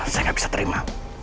saya gak bisa terima